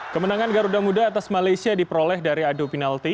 kemenangan garuda muda atas malaysia diperoleh dari adu penalti